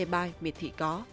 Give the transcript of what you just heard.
bài miệt thị có